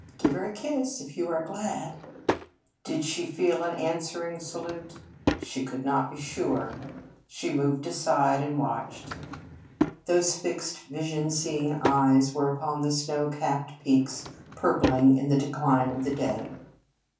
Give her a kiss if you are glad." Did she feel an answering salute? She could not be sure. She moved aside and watched. Those fixed, vision seeing eyes were upon the snow capped peaks purpling in the decline of the day.